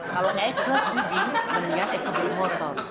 kalau naik kelas gigi mendingan kita beli motor